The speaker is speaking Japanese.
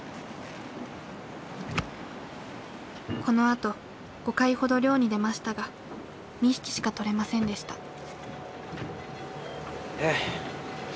このあと５回ほど漁に出ましたが２匹しか取れませんでした。